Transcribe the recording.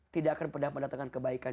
tidak akan pernah mendatangkan kebaikan